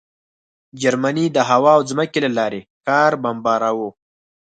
جرمني د هوا او ځمکې له لارې ښار بمباراوه